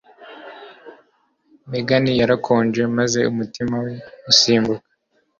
Megan yarakonje maze umutima we usimbuka.